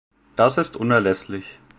Das ist unerlässlich.